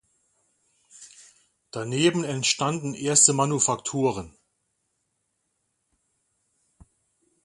Daneben entstanden erste Manufakturen.